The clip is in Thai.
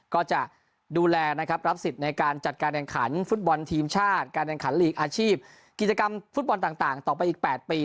ก็จะดูแลนะครับรับสิทธิ์ในการจัดการแข่งขันฟุตบอลทีมชาติการแข่งขันลีกอาชีพกิจกรรมฟุตบอลต่างต่อไปอีก๘ปี